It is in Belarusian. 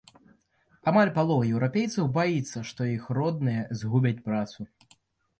Амаль палова еўрапейцаў баіцца, што іх родныя згубяць працу.